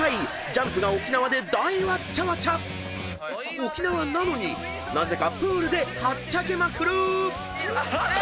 ［沖縄なのになぜかプールではっちゃけまくる！］